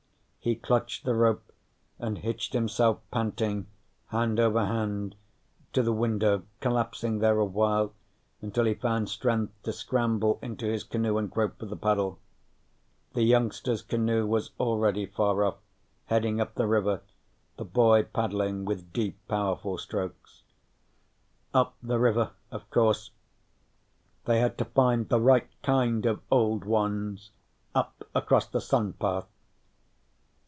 He clutched the rope and hitched himself, panting, hand over hand, to the window, collapsing there a while until he found strength to scramble into his canoe and grope for the paddle. The youngsters' canoe was already far off, heading up the river, the boy paddling with deep powerful strokes. Up the river, of course. They had to find the right kind of Old Ones. Up across the sun path.